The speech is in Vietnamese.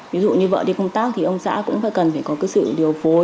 ví dụ như vợ đi công tác thì ông xã cũng phải cần phải có cái sự điều phối